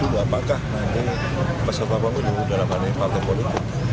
seperti itulah suatu persfitah pengakuan yang saya selalu mengikuti